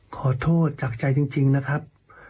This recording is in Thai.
ขอโทษจากใจจริงนะครับ